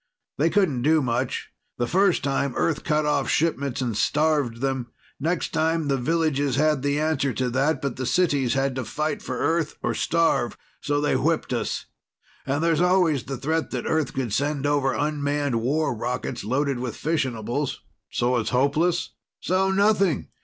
They couldn't do much. The first time Earth cut off shipments and starved them. Next time the villages had the answer to that but the cities had to fight for Earth or starve, so they whipped us. And there's always the threat that Earth could send over unmanned war rockets loaded with fissionables." "So it's hopeless?" "So nothing!